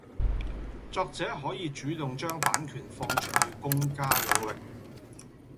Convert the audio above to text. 作者可以主動將版權放出去公家領域